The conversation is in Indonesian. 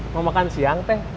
mau makan siang teh